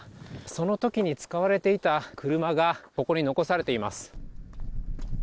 そのときに使われていた車が、ここに残されています。